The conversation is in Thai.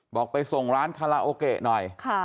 บอกไปส่งร้านคาราโอเกะหน่อย